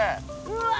うわ。